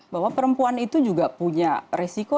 bahwa perempuan itu juga punya resiko